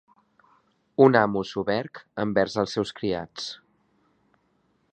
Un amo soberg envers els seus criats.